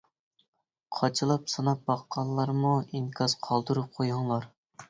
قاچىلاپ سىناپ باققانلارمۇ ئىنكاس قالدۇرۇپ قۇيۇڭلار.